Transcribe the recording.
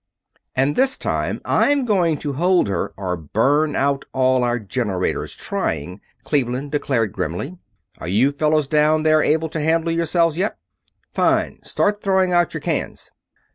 "And this time I'm going to hold her or burn out all our generators trying," Cleveland declared, grimly. "Are you fellows down there able to handle yourselves yet? Fine! Start throwing out your cans!"